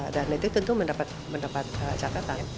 dan nanti tentu mendapat catatan